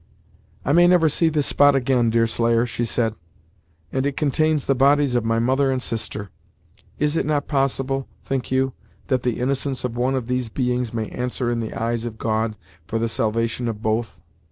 "I may never see this spot again, Deerslayer," she said, "and it contains the bodies of my mother and sister! Is it not possible, think you, that the innocence of one of these beings may answer in the eyes of God for the salvation of both?"